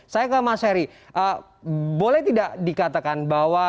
saya ke mas heri boleh tidak dikatakan bahwa